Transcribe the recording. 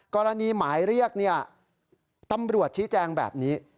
กรณีหมายเรียกตำรวจชี้แจงแบบนี้